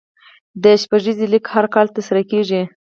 د شپږیزې لیګ هر کال ترسره کیږي.